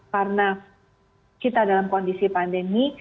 karena kita dalam kondisi pandemi